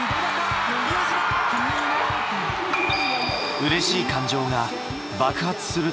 うれしい感情が爆発する時。